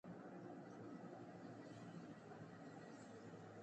د ازادۍ اتل ته د زړه له کومې سلام.